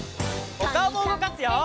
おかおもうごかすよ！